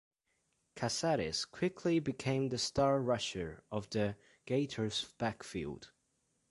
Casares quickly became the star rusher of the Gators' backfield.